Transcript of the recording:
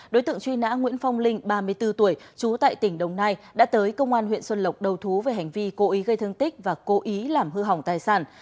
đối tượng truy nã nguyễn phong linh ba mươi bốn tuổi trú tại tỉnh đồng nai đã tới công an huyện xuân lộc đầu thú về hành vi cố ý gây thương tích và cố ý làm hư hỏng tài sản